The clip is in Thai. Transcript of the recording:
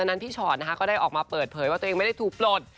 นั้นพี่ชอตนะคะก็ได้ออกมาเปิดเผยว่าตัวเองไม่ได้ถูกปลด